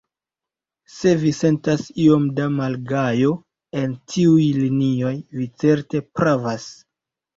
Se vi sentas iom da malgajo en tiuj linioj, vi certe pravas.